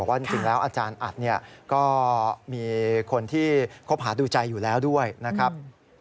ว่าจริงแล้วอาจารย์อัดเนี่ยก็มีคนที่คบหาดูใจอยู่แล้วด้วยนะครับ